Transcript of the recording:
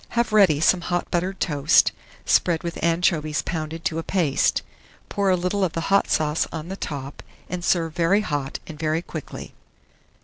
Have ready some hot buttered toast, spread with anchovies pounded to a paste; pour a little of the hot sauce on the top, and serve very hot and very quickly.